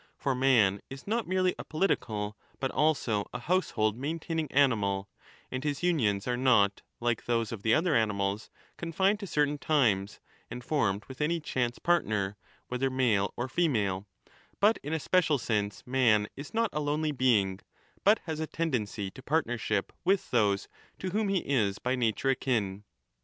For man is not merely a political but also a household maintaining animal, and his unions are not, like those of the other animals, confined to certain times, and formed with any chance partner, whether male or female ; but in a special sense man is not a lonely 25 being,^ but has a tendency to partnership with those to whom he is by nature akin.